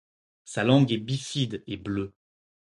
Sa langue est bifide et bleue.